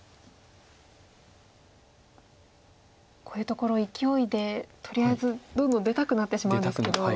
こういうところいきおいでとりあえずどんどん出たくなってしまうんですけど。